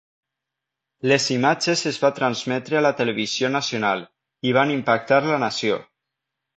Les imatges es va transmetre a la televisió nacional, i van impactar la nació.